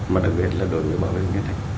mà đặc biệt là đối với bảo vệ rừng kết hạch